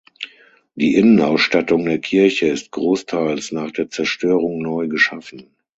Die Innenausstattung der Kirche ist großteils nach der Zerstörung neu geschaffen.